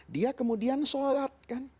dia kemudian sholat